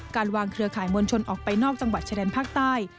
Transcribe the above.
การวางเครือข่ายมวลชนออกไปนอกจังหวัดชายแดนภาคใต้